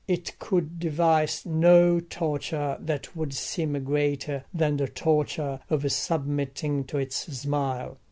It could devise no torture that would seem greater than the torture of submitting to its smile.